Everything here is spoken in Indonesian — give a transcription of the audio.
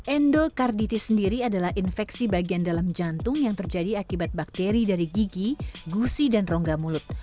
endokarditis sendiri adalah infeksi bagian dalam jantung yang terjadi akibat bakteri dari gigi gusi dan rongga mulut